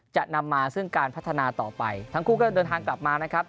จะนำมาซึ่งการพัฒนาต่อไปทั้งคู่ก็เดินทางกลับมานะครับ